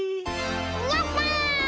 やった！